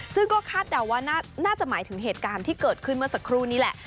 ซึ่งก็คาดเดาว่าน่าจะหมายถึงเหตุการณ์ที่เกิดขึ้นเมื่อสักครู่นี้แหละ